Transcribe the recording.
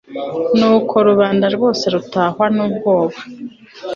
nuko rubanda rwose rutahwa n'ubwoba